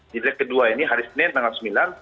di lag kedua ini hari senin tanggal sembilan